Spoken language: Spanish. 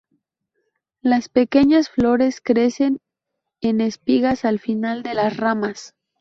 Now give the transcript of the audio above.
Las pequeñas flores crecen en espigas al final de las ramas.